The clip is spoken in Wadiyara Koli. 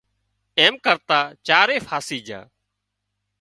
ايم ڪرتان چارئي ڦاسي جھا